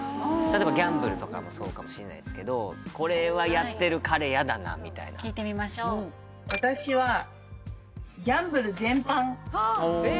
例えばギャンブルとかもそうかもしれないですけどこれはやってる彼嫌だなみたいな聞いてみましょう私はえ！